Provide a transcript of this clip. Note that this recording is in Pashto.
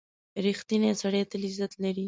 • رښتینی سړی تل عزت لري.